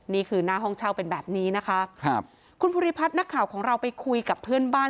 นี่คือหน้าห้องเช่าเป็นแบบนี้นะคะครับคุณภูริพัฒน์นักข่าวของเราไปคุยกับเพื่อนบ้าน